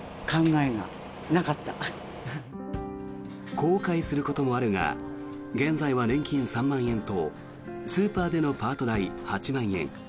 後悔することもあるが現在は年金３万円とスーパーでのパート代８万円。